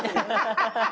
ハハハ。